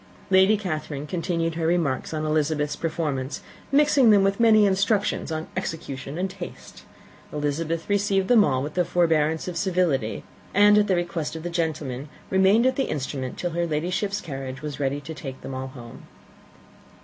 Lady Catherine continued her remarks on Elizabeth's performance, mixing with them many instructions on execution and taste. Elizabeth received them with all the forbearance of civility; and at the request of the gentlemen remained at the instrument till her Ladyship's carriage was ready to take them all home.